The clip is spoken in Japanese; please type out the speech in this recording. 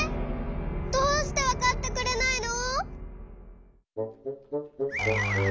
どうしてわかってくれないの！？